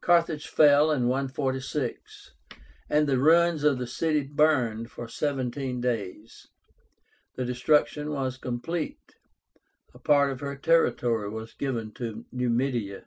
Carthage fell in 146, and the ruins of the city burned for seventeen days. The destruction was complete. A part of her territory was given to Numidia.